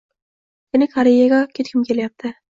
Yana Koreyaga ketgim kelyapti